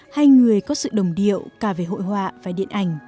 hai người có sự đồng điệu cả về hội hòa